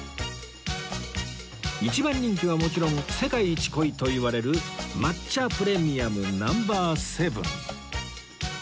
一番人気はもちろん世界一濃いといわれる抹茶プレミアム Ｎｏ．７